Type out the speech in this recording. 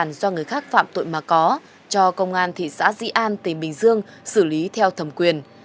tội trộm tài sản do người khác phạm tội mà có cho công an thị xã dĩ an tỉnh bình dương xử lý theo thẩm quyền